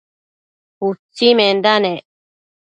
utsimenda nec